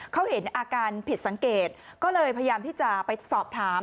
เขาเห็นอาการผิดสังเกตก็เลยพยายามที่จะไปสอบถาม